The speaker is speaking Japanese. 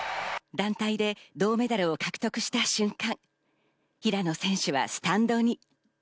団体で銅メダルを獲得した瞬間、平野選手はスタンドに。